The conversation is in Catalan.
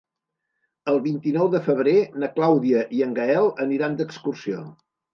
El vint-i-nou de febrer na Clàudia i en Gaël aniran d'excursió.